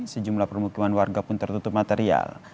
sejumlah permukiman warga pun tertutup material